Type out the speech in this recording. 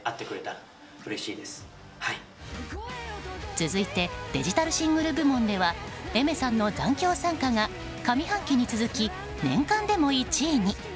続いてデジタルシングル部門ではＡｉｍｅｒさんの「残響散歌」が上半期に続き年間でも１位に。